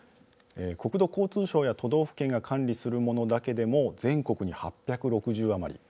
国土交通省や都道府県が管理するものだけでも全国に８６０余り。